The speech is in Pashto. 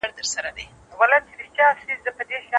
که ستاسو دوست هم تېروتنه کوي نو په څېړنه کي یې باید روښانه کړئ.